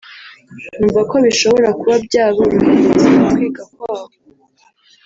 numva ko bishobora kuba byaborohereza mu kwiga kwabo